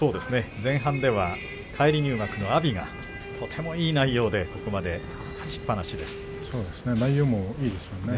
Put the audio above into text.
前半では返り入幕の阿炎がとてもいい内容でここまでそうですね。